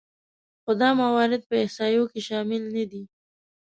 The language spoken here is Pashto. خو دا موارد په احصایو کې شامل نهدي